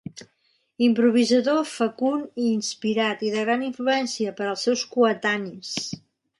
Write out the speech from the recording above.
Improvisador fecund i inspirat i de gran influència per als seus coetanis.